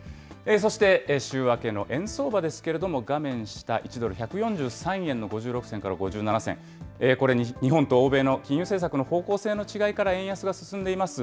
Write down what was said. そして週明けの円相場ですけれども、画面下、１ドル１４３円の５６銭から５７銭、これ、日本と欧米の金融政策の方向性の違いから円安が進んでいます。